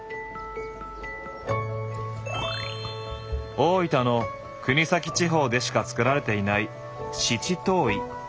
大分の国東地方でしか作られていない七島藺。